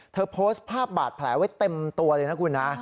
โพสต์ภาพบาดแผลไว้เต็มตัวเลยนะคุณนะ